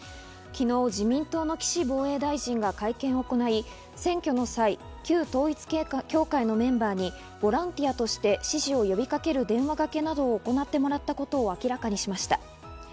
昨日、自民党の岸防衛大臣が会見を行い、選挙の際、旧統一教会のメンバーにボランティアとして支持を呼びかける電話掛けなどを行ってもらったことを明らかにしました。